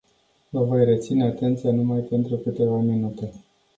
Vă voi reține atenția numai pentru câteva minute.